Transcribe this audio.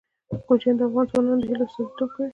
کوچیان د افغان ځوانانو د هیلو استازیتوب کوي.